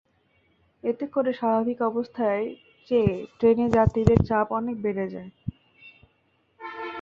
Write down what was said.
এতে করে স্বাভাবিক অবস্থার চেয়ে ট্রেনে যাত্রীদের চাপ অনেক বেড়ে যায়।